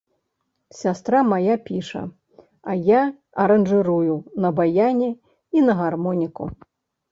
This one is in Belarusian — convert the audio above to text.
Сястра мая піша, а я аранжырую на баяне і на гармоніку.